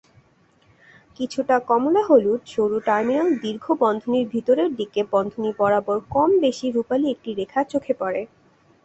কিছুটা কমলা-হলুদ, সরু টার্মিনাল দীর্ঘ বন্ধনীর ভিতরের দিকে বন্ধনী বরাবর কম-বেশী রূপালী একটি রেখা চোখে পড়ে।